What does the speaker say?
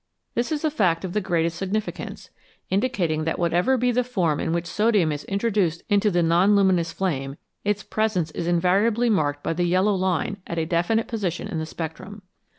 This is a fact of the greatest significance, indicating that whatever be the form in which sodium is introduced into the non luminous flame, its presence is invariably marked by the yellow line at a definite position in the spectrum.